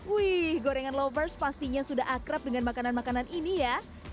wih gorengan lovers pastinya sudah akrab dengan makanan makanan ini ya